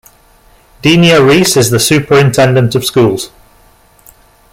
Denia Reese is the Superintendent of Schools.